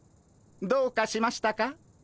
どうかしましたか？